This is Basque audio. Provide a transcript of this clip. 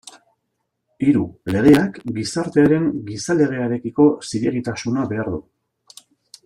Hiru, legeak gizartearen gizalegearekiko zilegitasuna behar du.